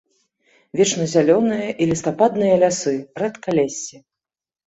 Вечназялёныя і лістападныя лясы, рэдкалессі.